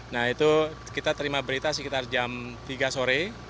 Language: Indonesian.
nah itu kita terima berita sekitar jam tiga sore